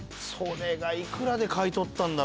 いくらで買い取ったんだろ。